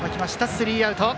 スリーアウト。